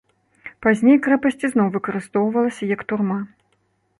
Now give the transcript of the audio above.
Пазней крэпасць ізноў выкарыстоўвалася як турма.